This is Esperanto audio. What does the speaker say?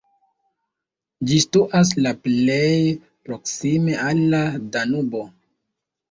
Ĝi situas la plej proksime al la Danubo.